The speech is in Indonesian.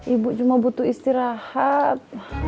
ibu cuma butuh istirahat